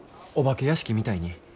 お化け屋敷みたいに。